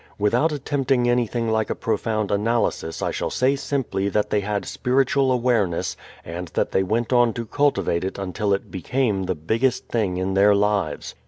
Without attempting anything like a profound analysis I shall say simply that they had spiritual awareness and that they went on to cultivate it until it became the biggest thing in their lives.